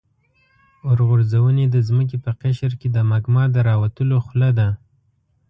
اورغورځونې د ځمکې په قشر کې د مګما د راوتلو خوله ده.